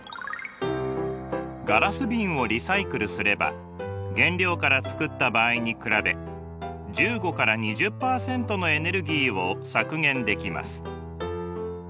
ガラス瓶をリサイクルすれば原料から作った場合に比べ１５から２０％のエネルギーを削減できます。